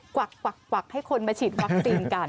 กวักให้คนมาฉีดวัคซีนกัน